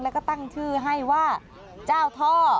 แล้วก็ตั้งชื่อให้ว่าเจ้าท่อ